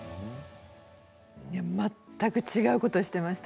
全く違うことをしていました。